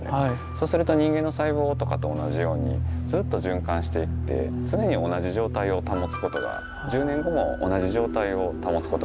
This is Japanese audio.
そうすると人間の細胞とかと同じようにずっと循環していって常に同じ状態を保つことが１０年後も同じ状態を保つことができるので。